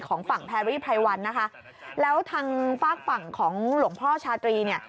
ของฝั่งแพรรี่ไพรวันนะคะแล้วทางฝากฝั่งของหลวงพ่อชาตรีเนี่ย